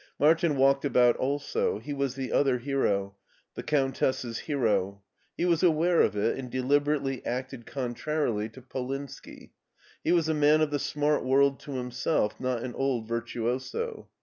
Martin walked about also ; he was the other hero— the Countess's hero. He was aware of it, and de liberately acted contrarily to Polinski. He was a man of the smart world to himself, not an old virtuoso.